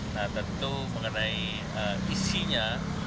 nah tentu mengenai isinya